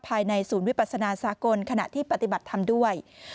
ภายในศูนย์วิปัสนาสากลขณะที่ปฏิบัติธรรมด้วย